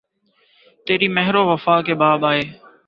تیری مہر و وفا کے باب آئے